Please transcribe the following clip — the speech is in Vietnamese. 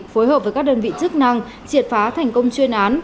phối hợp với các đơn vị chức năng triệt phá thành công chuyên án